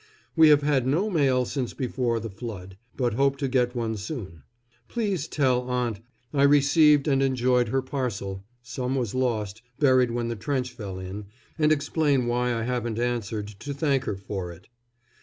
We have had no mail since before the "Flood," but hope to get one soon. Please tell Aunt I received and enjoyed her parcel (some was lost, buried when the trench fell in), and explain why I haven't answered to thank her for it.